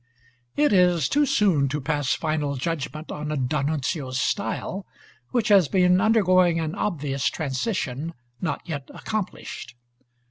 It is too soon to pass final judgment on D'Annunzio's style, which has been undergoing an obvious transition, not yet accomplished.